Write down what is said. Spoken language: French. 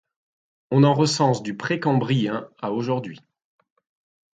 On en recense du précambrien à aujourd'hui.